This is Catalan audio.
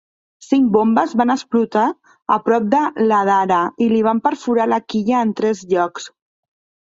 Cinc bombes van explotar a prop de l'Adhara i li van perforar la quilla en tres llocs.